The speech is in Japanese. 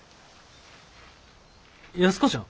安子ちゃん？